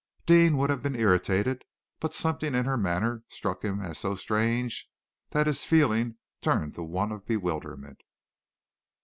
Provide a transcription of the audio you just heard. Deane would have been irritated, but something in her manner struck him as so strange that his feeling turned to one of bewilderment.